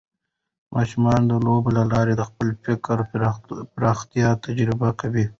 ماشومان د لوبو له لارې د خپل فکر پراختیا تجربه کوي.